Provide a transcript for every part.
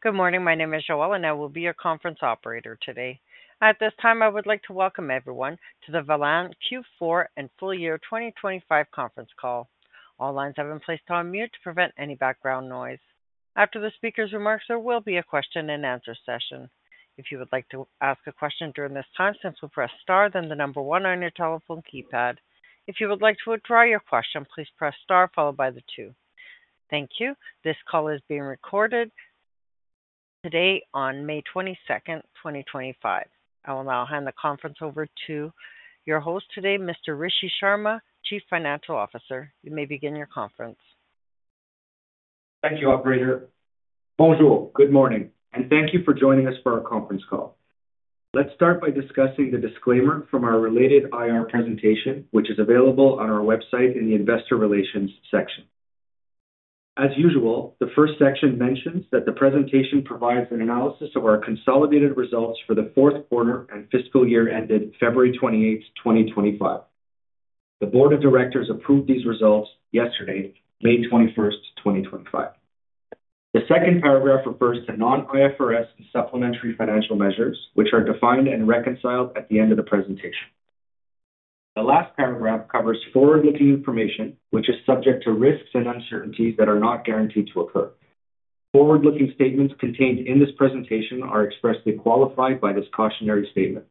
Good morning. My name is Joelle, and I will be your conference operator today. At this time, I would like to welcome everyone to the Velan Q4 and full year 2025 conference call. All lines have been placed on mute to prevent any background noise. After the speaker's remarks, there will be a question-and-answer session. If you would like to ask a question during this time, simply press star then the number one on your telephone keypad. If you would like to withdraw your question, please press star followed by the two. Thank you. This call is being recorded today on May 22nd, 2025. I will now hand the conference over to your host today, Mr. Rishi Sharma, Chief Financial Officer. You may begin your conference. Thank you, Operator. Bonjour, good morning, and thank you for joining us for our conference call. Let's start by discussing the disclaimer from our related IR presentation, which is available on our website in the Investor Relations section. As usual, the first section mentions that the presentation provides an analysis of our consolidated results for the fourth quarter and fiscal year ended February 28, 2025. The Board of Directors approved these results yesterday, May 21, 2025. The second paragraph refers to non-IFRS and supplementary financial measures, which are defined and reconciled at the end of the presentation. The last paragraph covers forward-looking information, which is subject to risks and uncertainties that are not guaranteed to occur. Forward-looking statements contained in this presentation are expressly qualified by this cautionary statement.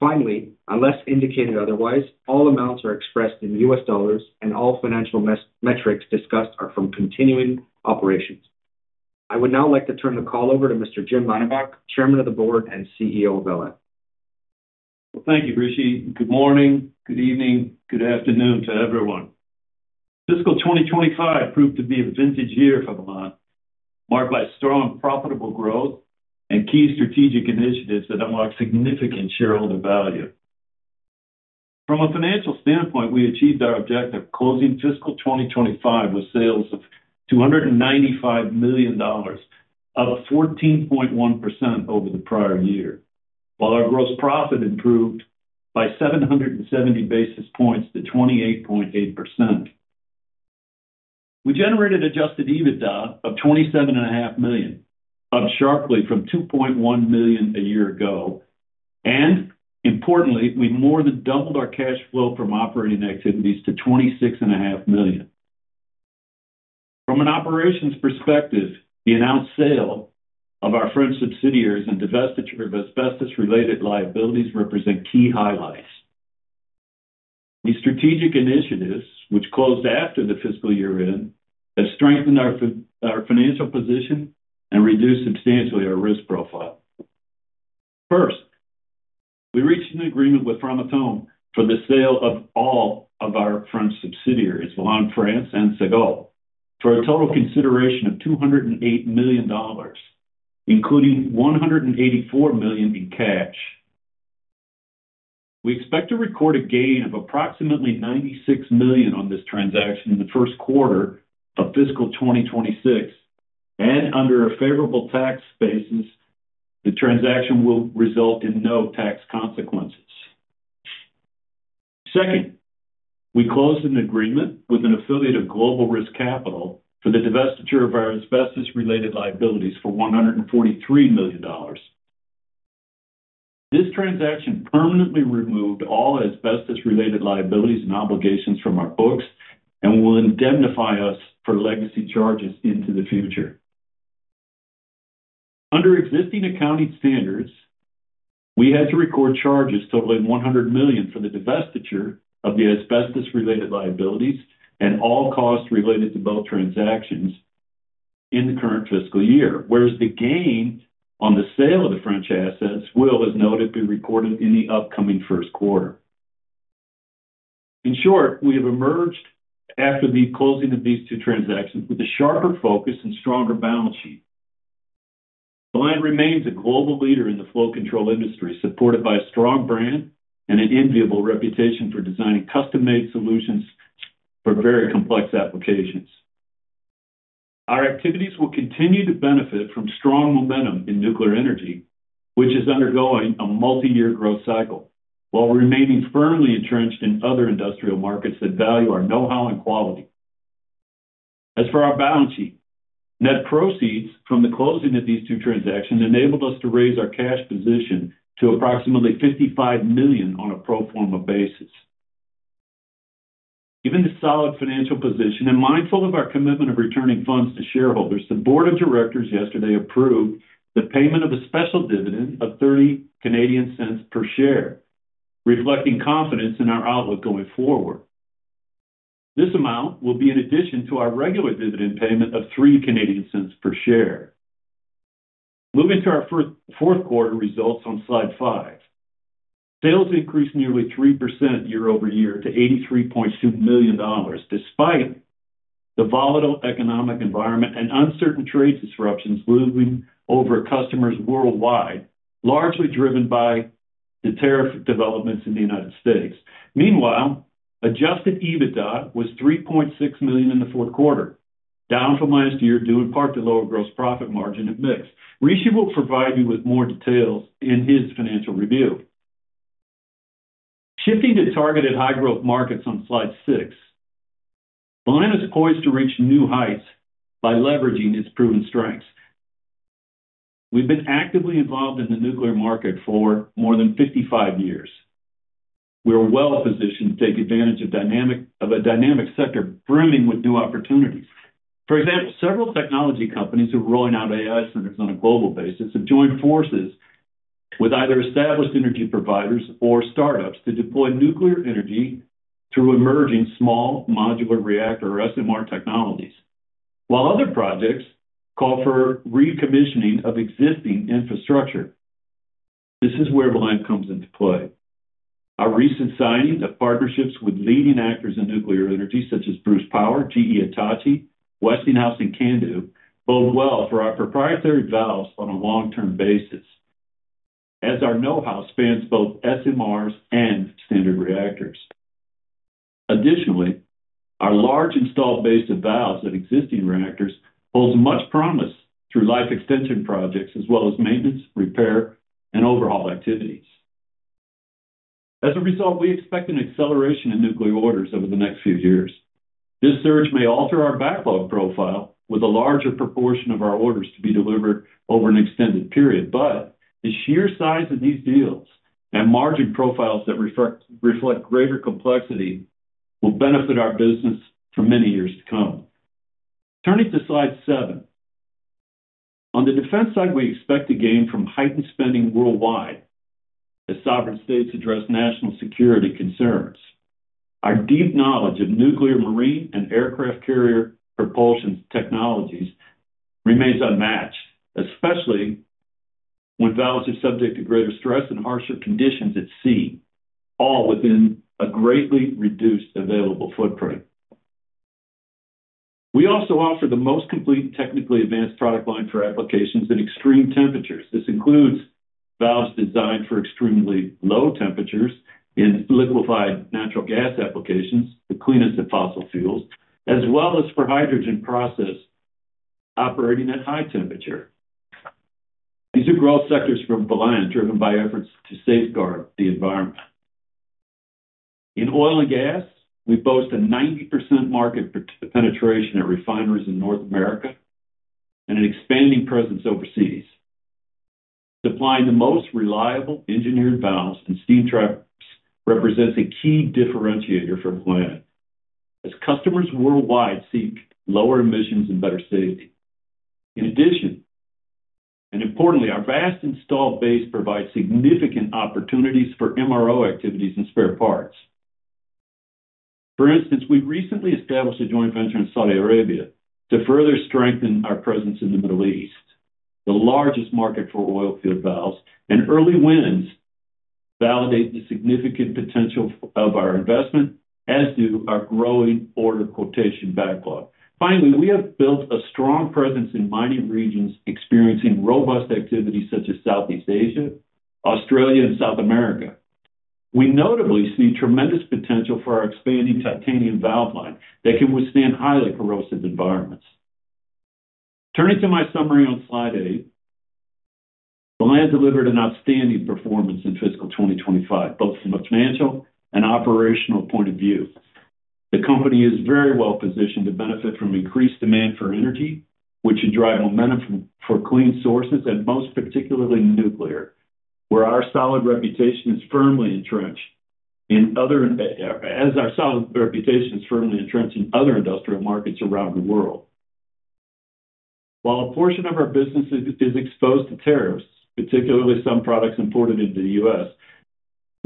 Finally, unless indicated otherwise, all amounts are expressed in $ and all financial metrics discussed are from continuing operations. I would now like to turn the call over to Mr. James Mannebach, Chairman of the Board and CEO of Velan. Thank you, Rishi. Good morning, good evening, good afternoon to everyone. Fiscal 2025 proved to be a vintage year for Velan, marked by strong profitable growth and key strategic initiatives that unlock significant shareholder value. From a financial standpoint, we achieved our objective of closing fiscal 2025 with sales of $295 million, up 14.1% over the prior year, while our gross profit improved by 770 basis points to 28.8%. We generated adjusted EBITDA of $27.5 million, up sharply from $2.1 million a year ago. Importantly, we more than doubled our cash flow from operating activities to $26.5 million. From an operations perspective, the announced sale of our French subsidiaries and divestiture of asbestos-related liabilities represent key highlights. These strategic initiatives, which closed after the fiscal year-end, have strengthened our financial position and reduced substantially our risk profile. First, we reached an agreement with Framatome for the sale of all of our French subsidiaries, Velan France and Cigal, for a total consideration of $208 million, including $184 million in cash. We expect to record a gain of approximately $96 million on this transaction in the first quarter of fiscal 2026, and under a favorable tax basis, the transaction will result in no tax consequences. Second, we closed an agreement with an affiliate of Global Risk Capital for the divestiture of our asbestos-related liabilities for $143 million. This transaction permanently removed all asbestos-related liabilities and obligations from our books and will indemnify us for legacy charges into the future. Under existing accounting standards, we had to record charges totaling $100 million for the divestiture of the asbestos-related liabilities and all costs related to both transactions in the current fiscal year, whereas the gain on the sale of the French assets will, as noted, be recorded in the upcoming first quarter. In short, we have emerged after the closing of these two transactions with a sharper focus and stronger balance sheet. Velan remains a global leader in the flow control industry, supported by a strong brand and an enviable reputation for designing custom-made solutions for very complex applications. Our activities will continue to benefit from strong momentum in nuclear energy, which is undergoing a multi-year growth cycle, while remaining firmly entrenched in other industrial markets that value our know-how and quality. As for our balance sheet, net proceeds from the closing of these two transactions enabled us to raise our cash position to approximately $55 million on a pro forma basis. Given the solid financial position and mindful of our commitment of returning funds to shareholders, the Board of Directors yesterday approved the payment of a special dividend of 0.30 per share, reflecting confidence in our outlook going forward. This amount will be in addition to our regular dividend payment of 0.03 per share. Moving to our fourth quarter results on slide five, sales increased nearly 3% year over year to $83.2 million, despite the volatile economic environment and uncertain trade disruptions looming over customers worldwide, largely driven by the tariff developments in the United States. Meanwhile, adjusted EBITDA was $3.6 million in the fourth quarter, down from last year, due in part to lower gross profit margin at mix. Rishi will provide you with more details in his financial review. Shifting to targeted high-growth markets on slide six, Velan is poised to reach new heights by leveraging its proven strengths. We've been actively involved in the nuclear market for more than 55 years. We are well-positioned to take advantage of a dynamic sector brimming with new opportunities. For example, several technology companies who are rolling out AI centers on a global basis have joined forces with either established energy providers or startups to deploy nuclear energy through emerging small modular reactor or SMR technologies, while other projects call for recommissioning of existing infrastructure. This is where Velan comes into play. Our recent signing of partnerships with leading actors in nuclear energy, such as Bruce Power, GE Hitachi, Westinghouse, and CANDU, bodes well for our proprietary valves on a long-term basis, as our know-how spans both SMRs and standard reactors. Additionally, our large installed base of valves at existing reactors holds much promise through life extension projects, as well as maintenance, repair, and overhaul activities. As a result, we expect an acceleration in nuclear orders over the next few years. This surge may alter our backlog profile, with a larger proportion of our orders to be delivered over an extended period. The sheer size of these deals and margin profiles that reflect greater complexity will benefit our business for many years to come. Turning to slide seven, on the defense side, we expect a gain from heightened spending worldwide as sovereign states address national security concerns. Our deep knowledge of nuclear, marine, and aircraft carrier propulsion technologies remains unmatched, especially when valves are subject to greater stress and harsher conditions at sea, all within a greatly reduced available footprint. We also offer the most complete technically advanced product line for applications at extreme temperatures. This includes valves designed for extremely low temperatures in liquefied natural gas applications, the cleanest of fossil fuels, as well as for hydrogen processed operating at high temperature. These are growth sectors for Velan, driven by efforts to safeguard the environment. In oil and gas, we boast a 90% market penetration at refineries in North America and an expanding presence overseas. Supplying the most reliable engineered valves and steam traps represents a key differentiator for Velan, as customers worldwide seek lower emissions and better safety. In addition, and importantly, our vast installed base provides significant opportunities for MRO activities and spare parts. For instance, we recently established a joint venture in Saudi Arabia to further strengthen our presence in the Middle East, the largest market for oil field valves, and early wins validate the significant potential of our investment, as do our growing order quotation backlog. Finally, we have built a strong presence in mining regions experiencing robust activity such as Southeast Asia, Australia, and South America. We notably see tremendous potential for our expanding titanium valve line that can withstand highly corrosive environments. Turning to my summary on slide eight, Velan delivered an outstanding performance in fiscal 2025, both from a financial and operational point of view. The company is very well positioned to benefit from increased demand for energy, which should drive momentum for clean sources, and most particularly nuclear, where our solid reputation is firmly entrenched in other industrial markets around the world. While a portion of our business is exposed to tariffs, particularly some products imported into the U.S., we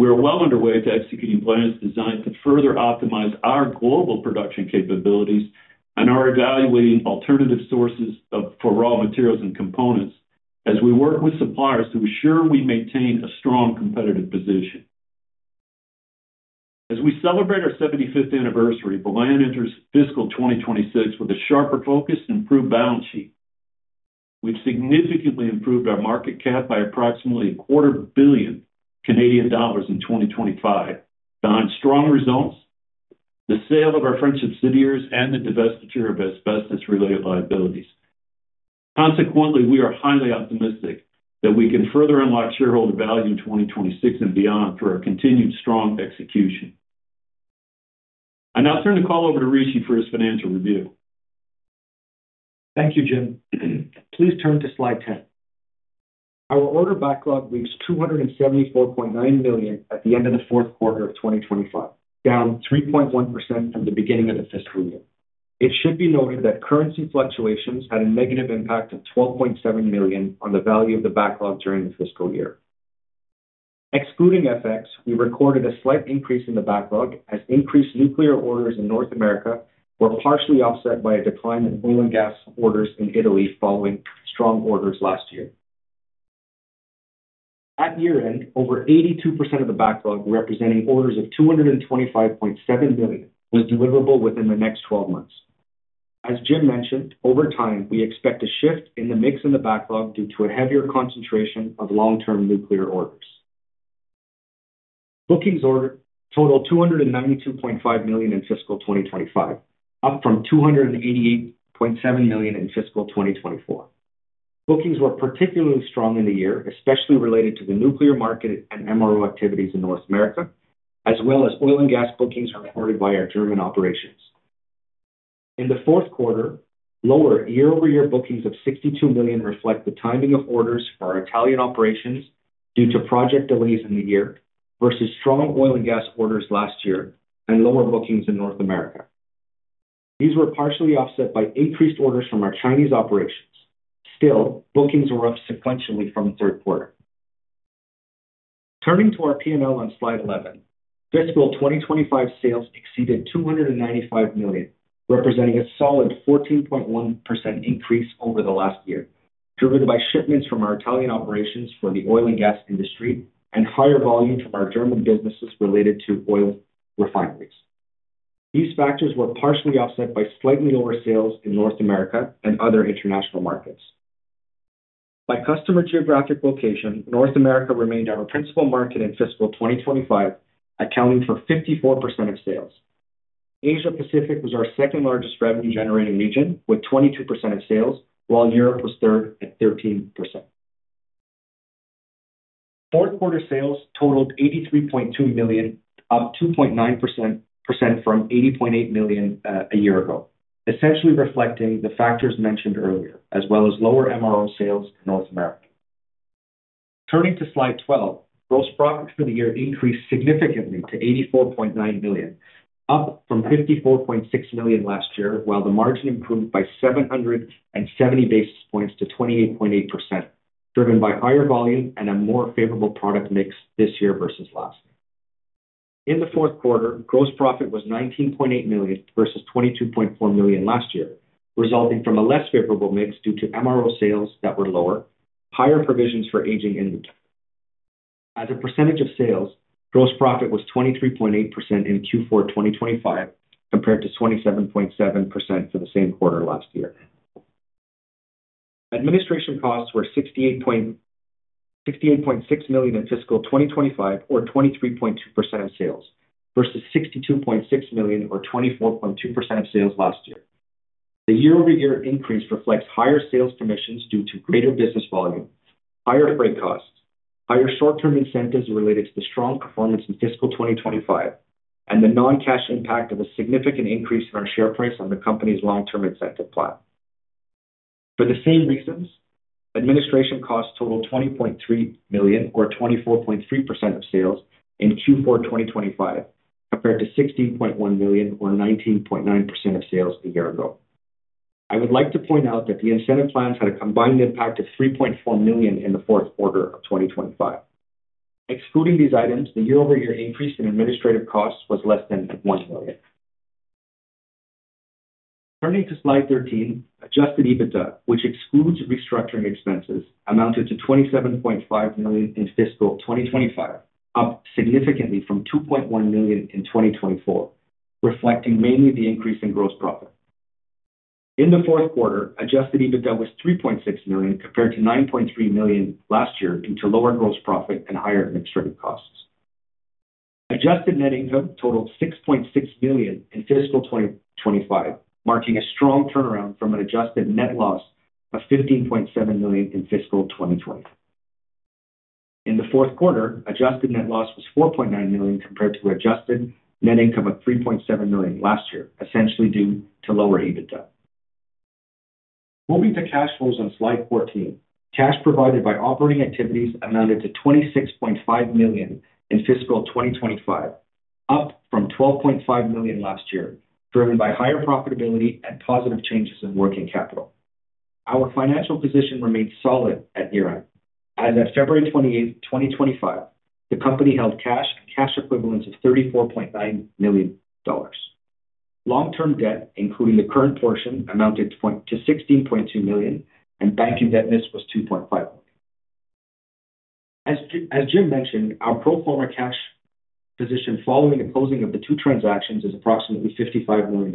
are well underway to execute plans designed to further optimize our global production capabilities and are evaluating alternative sources for raw materials and components as we work with suppliers to ensure we maintain a strong competitive position. As we celebrate our 75th anniversary, Velan enters fiscal 2026 with a sharper focus and improved balance sheet. We've significantly improved our market cap by approximately 250,000,000 Canadian dollars in 2025, behind strong results, the sale of our French subsidiaries, and the divestiture of asbestos-related liabilities. Consequently, we are highly optimistic that we can further unlock shareholder value in 2026 and beyond through our continued strong execution. I now turn the call over to Rishi for his financial review. Thank you, James. Please turn to slide 10. Our order backlog reached $274.9 million at the end of the fourth quarter of 2025, down 3.1% from the beginning of the fiscal year. It should be noted that currency fluctuations had a negative impact of $12.7 million on the value of the backlog during the fiscal year. Excluding FX, we recorded a slight increase in the backlog as increased nuclear orders in North America were partially offset by a decline in oil and gas orders in Italy following strong orders last year. At year-end, over 82% of the backlog, representing orders of $225.7 million, was deliverable within the next 12 months. As Jim mentioned, over time, we expect a shift in the mix in the backlog due to a heavier concentration of long-term nuclear orders. Bookings totaled $292.5 million in fiscal 2025, up from $288.7 million in fiscal 2024. Bookings were particularly strong in the year, especially related to the nuclear market and MRO activities in North America, as well as oil and gas bookings reported by our German operations. In the fourth quarter, lower year-over-year bookings of $62 million reflect the timing of orders for our Italian operations due to project delays in the year versus strong oil and gas orders last year and lower bookings in North America. These were partially offset by increased orders from our Chinese operations. Still, bookings were up sequentially from the third quarter. Turning to our P&L on slide 11, fiscal 2025 sales exceeded $295 million, representing a solid 14.1% increase over the last year, driven by shipments from our Italian operations for the oil and gas industry and higher volume from our German businesses related to oil refineries. These factors were partially offset by slightly lower sales in North America and other international markets. By customer geographic location, North America remained our principal market in fiscal 2025, accounting for 54% of sales. Asia-Pacific was our second-largest revenue-generating region, with 22% of sales, while Europe was third at 13%. Fourth quarter sales totaled $83.2 million, up 2.9% from $80.8 million a year ago, essentially reflecting the factors mentioned earlier, as well as lower MRO sales in North America. Turning to slide 12, gross profits for the year increased significantly to $84.9 million, up from $54.6 million last year, while the margin improved by 770 basis points to 28.8%, driven by higher volume and a more favorable product mix this year versus last year. In the fourth quarter, gross profit was $19.8 million versus $22.4 million last year, resulting from a less favorable mix due to MRO sales that were lower, higher provisions for aging inventory. As a percentage of sales, gross profit was 23.8% in Q4 2025 compared to 27.7% for the same quarter last year. Administration costs were $68.6 million in fiscal 2025, or 23.2% of sales, versus $62.6 million, or 24.2% of sales last year. The year-over-year increase reflects higher sales commissions due to greater business volume, higher freight costs, higher short-term incentives related to the strong performance in fiscal 2025, and the non-cash impact of a significant increase in our share price on the company's long-term incentive plan. For the same reasons, administration costs totaled $20.3 million, or 24.3% of sales, in Q4 2025 compared to $16.1 million, or 19.9% of sales a year ago. I would like to point out that the incentive plans had a combined impact of $3.4 million in the fourth quarter of 2025. Excluding these items, the year-over-year increase in administrative costs was less than $1 million. Turning to slide 13, adjusted EBITDA, which excludes restructuring expenses, amounted to $27.5 million in fiscal 2025, up significantly from $2.1 million in 2024, reflecting mainly the increase in gross profit. In the fourth quarter, adjusted EBITDA was $3.6 million compared to $9.3 million last year due to lower gross profit and higher administrative costs. Adjusted net income totaled $6.6 million in fiscal 2025, marking a strong turnaround from an adjusted net loss of $15.7 million in fiscal 2020. In the fourth quarter, adjusted net loss was $4.9 million compared to adjusted net income of $3.7 million last year, essentially due to lower EBITDA. Moving to cash flows on slide 14, cash provided by operating activities amounted to $26.5 million in fiscal 2025, up from $12.5 million last year, driven by higher profitability and positive changes in working capital. Our financial position remained solid at year-end, as at February 28, 2025, the company held cash and cash equivalents of $34.9 million. Long-term debt, including the current portion, amounted to $16.2 million, and bank indebtedness was $2.5 million. As James mentioned, our pro forma cash position following the closing of the two transactions is approximately $55 million.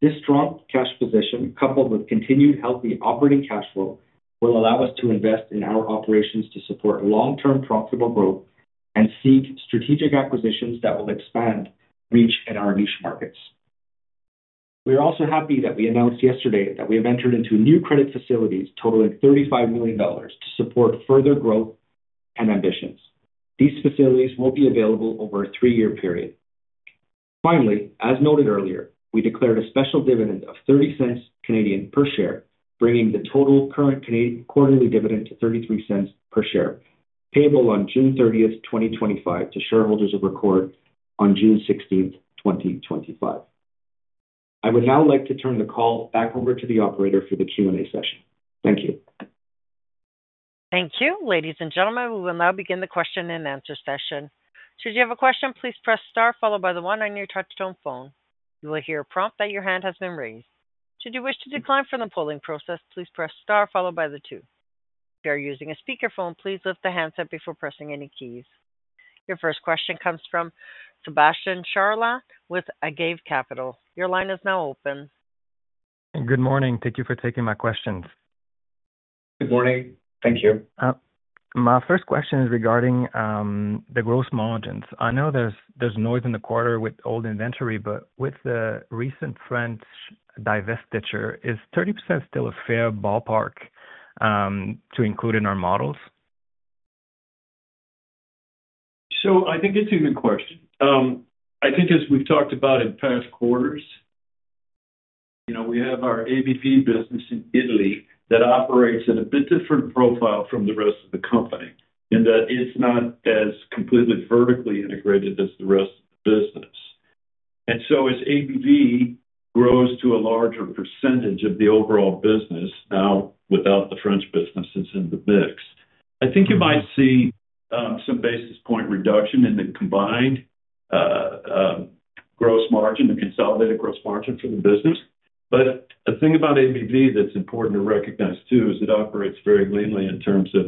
This strong cash position, coupled with continued healthy operating cash flow, will allow us to invest in our operations to support long-term profitable growth and seek strategic acquisitions that will expand reach in our niche markets. We are also happy that we announced yesterday that we have entered into new credit facilities totaling $35 million to support further growth and ambitions. These facilities will be available over a three-year period. Finally, as noted earlier, we declared a special dividend of 0.30 per share, bringing the total current quarterly dividend to 0.33 per share, payable on June 30, 2025, to shareholders of record on June 16, 2025. I would now like to turn the call back over to the operator for the Q&A session. Thank you. Thank you. Ladies and gentlemen, we will now begin the question and answer session. Should you have a question, please press star followed by the one on your touch-tone phone. You will hear a prompt that your hand has been raised. Should you wish to decline from the polling process, please press star followed by the two. If you are using a speakerphone, please lift the handset before pressing any keys. Your first question comes from Sebastian Charla with Agave Capital. Your line is now open. Good morning. Thank you for taking my questions. Good morning. Thank you. My first question is regarding the gross margins. I know there's noise in the quarter with old inventory, but with the recent French divestiture, is 30% still a fair ballpark to include in our models? I think it's a good question. I think as we've talked about in past quarters, we have our ABV business in Italy that operates at a bit different profile from the rest of the company in that it's not as completely vertically integrated as the rest of the business. As ABV grows to a larger percentage of the overall business, now without the French businesses in the mix, I think you might see some basis point reduction in the combined gross margin, the consolidated gross margin for the business. The thing about ABV that's important to recognize too is it operates very leanly in terms of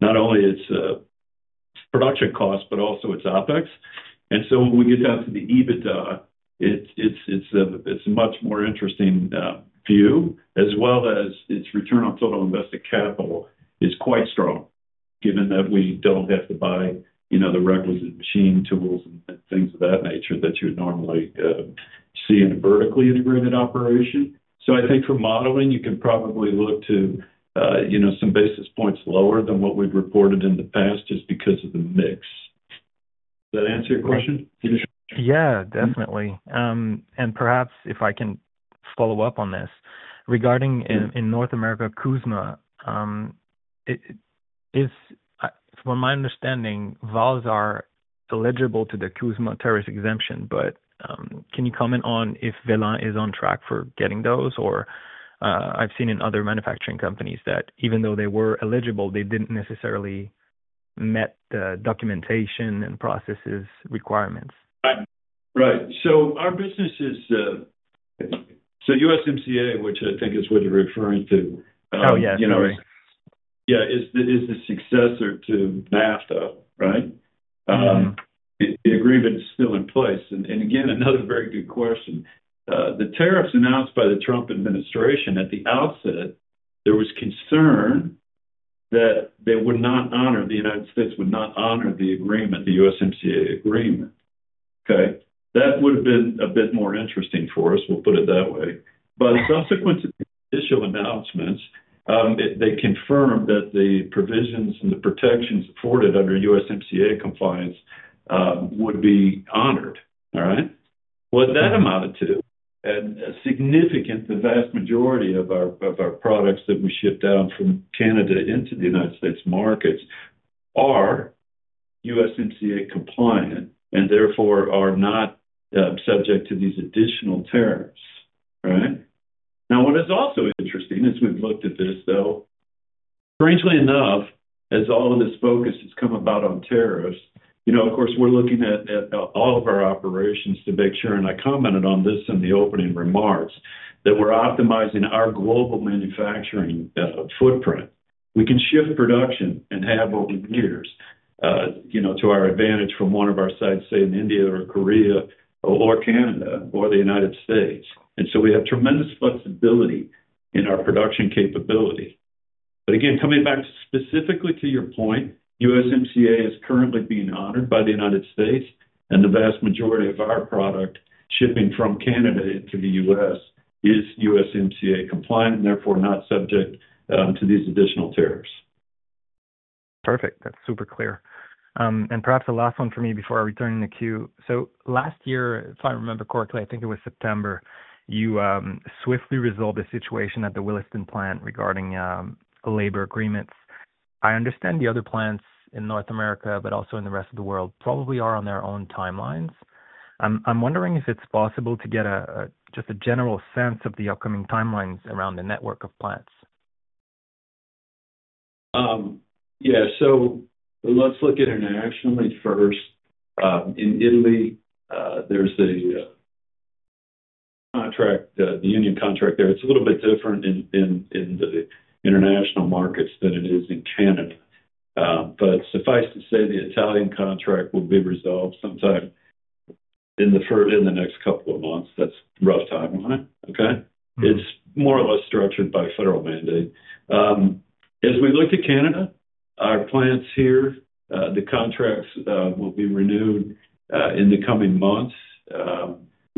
not only its production costs, but also its OpEx. When we get down to the EBITDA, it's a much more interesting view, as well as its return on total invested capital is quite strong, given that we don't have to buy the requisite machine tools and things of that nature that you'd normally see in a vertically integrated operation. I think for modeling, you can probably look to some basis points lower than what we've reported in the past just because of the mix. Does that answer your question? Yeah, definitely. Perhaps if I can follow up on this, regarding in North America, USMCA, from my understanding, valves are eligible to the USMCA tariff exemption, but can you comment on if Velan is on track for getting those? I've seen in other manufacturing companies that even though they were eligible, they did not necessarily meet the documentation and processes requirements. Right. Right. So our business is so USMCA, which I think is what you're referring to. Oh, yes. Right. Yeah, is the successor to NAFTA, right? The agreement is still in place. Again, another very good question. The tariffs announced by the Trump administration, at the outset, there was concern that they would not honor, the United States would not honor the agreement, the USMCA agreement. Okay? That would have been a bit more interesting for us, we'll put it that way. Subsequent to the initial announcements, they confirmed that the provisions and the protections afforded under USMCA compliance would be honored, all right? What that amounted to, and significant, the vast majority of our products that we ship down from Canada into the United States markets are USMCA compliant and therefore are not subject to these additional tariffs, right? Now, what is also interesting as we've looked at this, though, strangely enough, as all of this focus has come about on tariffs, of course, we're looking at all of our operations to make sure, and I commented on this in the opening remarks, that we're optimizing our global manufacturing footprint. We can shift production and have over years to our advantage from one of our sites, say, in India or Korea or Canada or the United States. We have tremendous flexibility in our production capability. Again, coming back specifically to your point, USMCA is currently being honored by the United States, and the vast majority of our product shipping from Canada into the U.S. is USMCA compliant and therefore not subject to these additional tariffs. Perfect. That's super clear. Perhaps the last one for me before I return the cue. Last year, if I remember correctly, I think it was September, you swiftly resolved the situation at the Williston plant regarding labor agreements. I understand the other plants in North America, but also in the rest of the world, probably are on their own timelines. I'm wondering if it's possible to get just a general sense of the upcoming timelines around the network of plants. Yeah. Let's look internationally first. In Italy, there's the contract, the union contract there. It's a little bit different in the international markets than it is in Canada. Suffice to say, the Italian contract will be resolved sometime in the next couple of months. That's a rough timeline, okay? It's more or less structured by federal mandate. As we look to Canada, our plants here, the contracts will be renewed in the coming months.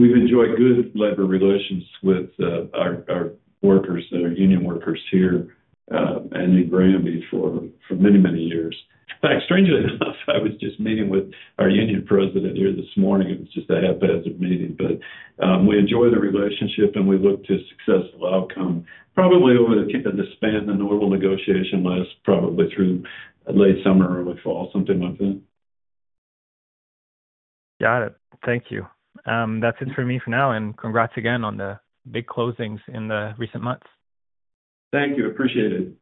We've enjoyed good labor relations with our workers, our union workers here and in Granby for many, many years. In fact, strangely enough, I was just meeting with our union president here this morning. It was just a haphazard meeting. We enjoy the relationship, and we look to a successful outcome, probably over the span of the normal negotiation, last probably through late summer, early fall, something like that. Got it. Thank you. That's it for me for now, and congrats again on the big closings in the recent months. Thank you. Appreciate it.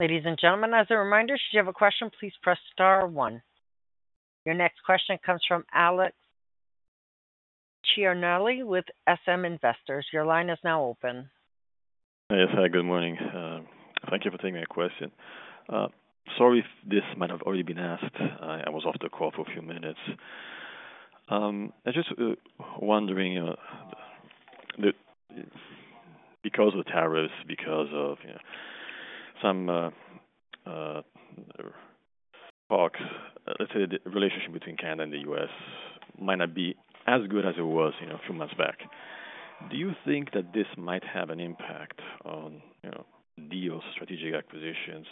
Ladies and gentlemen, as a reminder, should you have a question, please press star one. Your next question comes from Alex Ciarnelli with SM Investors. Your line is now open. Yes. Hi, good morning. Thank you for taking my question. Sorry if this might have already been asked. I was off the call for a few minutes. I'm just wondering, because of tariffs, because of some talks, let's say the relationship between Canada and the U.S. might not be as good as it was a few months back. Do you think that this might have an impact on deals, strategic acquisitions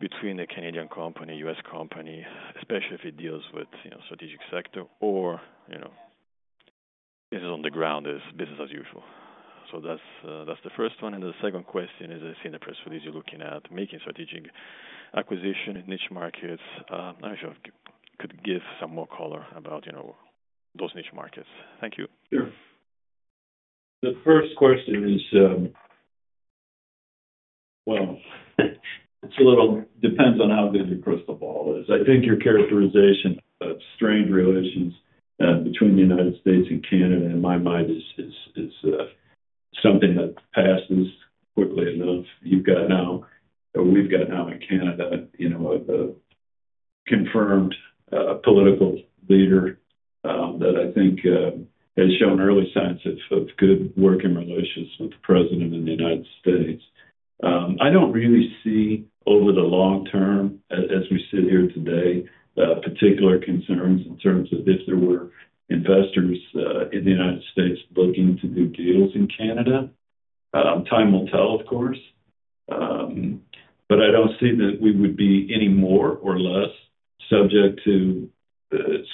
between a Canadian company, U.S. company, especially if it deals with strategic sector, or this is on the ground as business as usual? That is the first one. The second question is, as in the press release, you're looking at making strategic acquisition in niche markets. I'm not sure if you could give some more color about those niche markets. Thank you. Sure. The first question is, well, it depends on how good your crystal ball is. I think your characterization of strained relations between the United States and Canada, in my mind, is something that passes quickly enough. You've got now, or we've got now in Canada, a confirmed political leader that I think has shown early signs of good working relations with the president and the United States. I don't really see over the long term, as we sit here today, particular concerns in terms of if there were investors in the United States looking to do deals in Canada. Time will tell, of course. I don't see that we would be any more or less subject to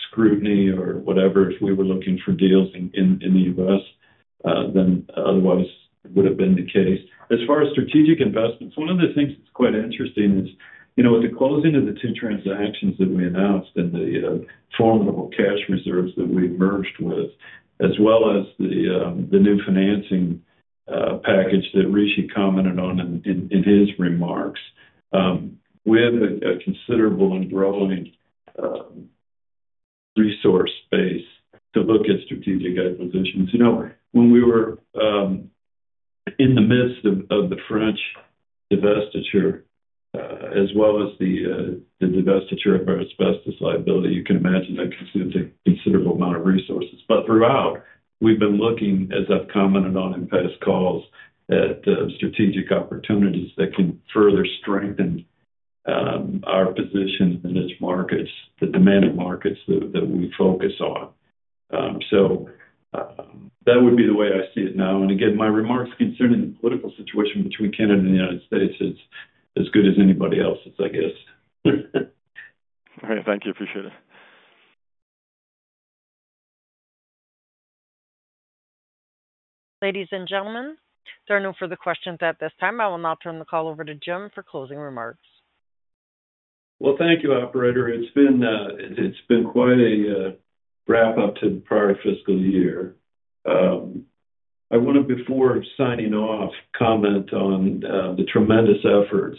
scrutiny or whatever if we were looking for deals in the United States than otherwise would have been the case. As far as strategic investments, one of the things that's quite interesting is with the closing of the two transactions that we announced and the formidable cash reserves that we merged with, as well as the new financing package that Rishi commented on in his remarks, we have a considerable and growing resource base to look at strategic acquisitions. When we were in the midst of the French divestiture, as well as the divestiture of our asbestos liability, you can imagine that consumed a considerable amount of resources. Throughout, we've been looking, as I've commented on in past calls, at strategic opportunities that can further strengthen our position in the niche markets, the demanding markets that we focus on. That would be the way I see it now. My remarks concerning the political situation between Canada and the United States is as good as anybody else's, I guess. All right. Thank you. Appreciate it. Ladies and gentlemen, there are no further questions at this time. I will now turn the call over to James for closing remarks. Thank you, operator. It's been quite a wrap-up to the prior fiscal year. I wanted, before signing off, to comment on the tremendous efforts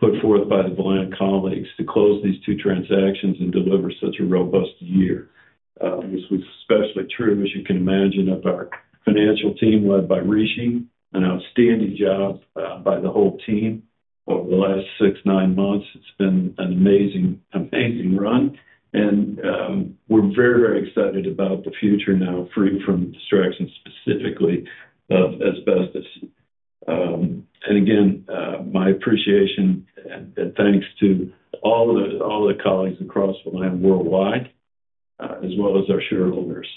put forth by the Velan colleagues to close these two transactions and deliver such a robust year. This was especially true, as you can imagine, of our financial team led by Rishi, an outstanding job by the whole team over the last six, nine months. It's been an amazing, amazing run. We're very, very excited about the future now, free from distractions, specifically of asbestos. Again, my appreciation and thanks to all the colleagues across Velan worldwide, as well as our shareholders.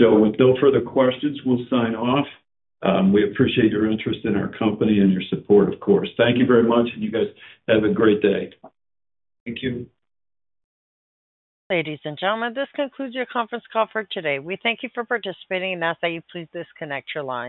With no further questions, we'll sign off. We appreciate your interest in our company and your support, of course. Thank you very much, and you guys have a great day. Thank you. Ladies and gentlemen, this concludes your conference call for today. We thank you for participating, and ask that you please disconnect your lines.